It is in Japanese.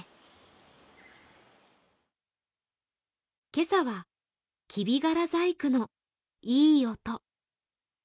今朝はきびがら細工のいい音。